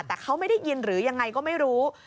แต่เขาไม่ได้ยินหรือยังไงก็ไม่รู้